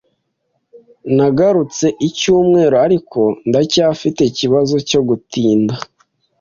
Nagarutse icyumweru, ariko ndacyafite ikibazo cyo gutinda.